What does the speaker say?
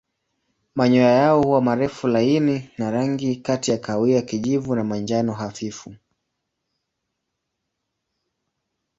Manyoya yao huwa marefu laini na rangi kati ya kahawia kijivu na manjano hafifu.